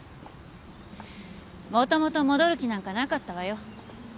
もともと戻る気なんかなかったわよ。